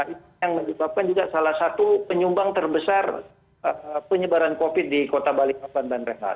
itu yang menyebabkan juga salah satu penyumbang terbesar penyebaran covid sembilan belas di kota balikpapan bang rad